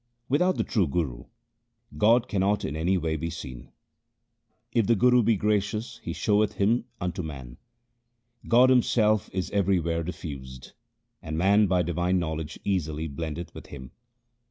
Without the true Guru, God cannot in any way be seen. If the Guru be gracious he showeth Him unto man. God himself is everywhere diffused, and man by divine knowledge easily blendeth with Him.